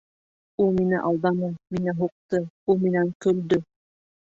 Ул мине алданы, миңә һуҡты, ул минән көлдө.